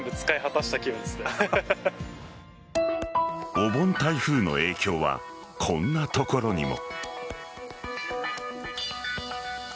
お盆台風の影響はこんなところにも。